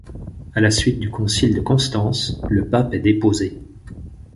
À la suite du Concile de Constance, le pape est déposé.